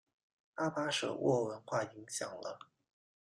阿巴舍沃文化影响了。